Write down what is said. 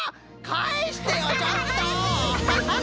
かえしてよちょっと！